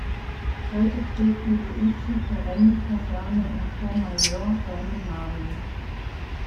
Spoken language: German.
Heute trägt die „Luigi Perenni“-Kaserne in Courmayeur seinen Namen.